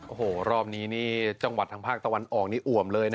โอ้โหรอบนี้นี่จังหวัดทางภาคตะวันออกนี่อ่วมเลยนะ